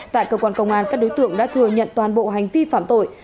tại cơ quan công an các đối tượng đã thừa nhận toàn bộ hành vi phạm tội